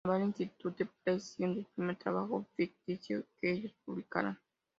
Naval Institute Press, siendo el primer trabajo ficticio que ellos publicaran.